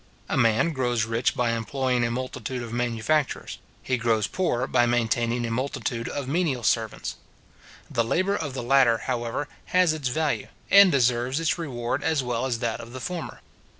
A man grows rich by employing a multitude of manufacturers; he grows poor by maintaining a multitude or menial servants. The labour of the latter, however, has its value, and deserves its reward as well as that of the former.